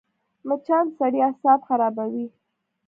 مچان د سړي اعصاب خرابوي